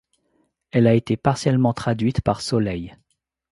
Elle a été partiellement traduite par Soleil.